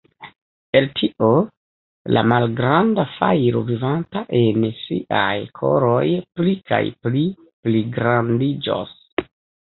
El tio, la malgranda fajro vivanta en siaj koroj pli kaj pli pligrandiĝos.